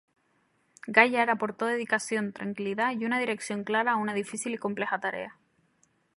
Gaillard aportó dedicación, tranquilidad y una dirección clara a una difícil y compleja tarea.